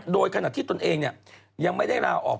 โดยขณะที่ตนเองยังไม่ได้ลาออก